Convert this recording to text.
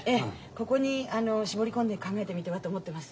ここに絞り込んで考えてみてはと思ってます。